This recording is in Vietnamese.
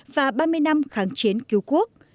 và ba mươi năm kháng chiến cứu quốc